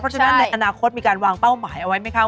เพราะฉะนั้นในอนาคตมีการวางเป้าหมายเอาไว้ไหมคะ